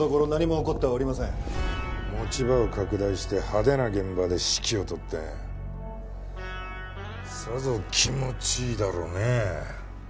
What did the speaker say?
持ち場を拡大して派手な現場で指揮を執ってさぞ気持ちいいだろうねえ。